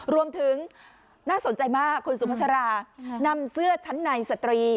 น่าสนใจมากคุณสุภาษารานำเสื้อชั้นในสตรี